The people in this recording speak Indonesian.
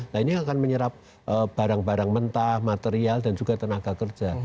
nah ini akan menyerap barang barang mentah material dan juga tenaga kerja